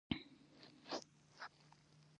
افغانۍ د راکړې ورکړې یوازینۍ وسیله ده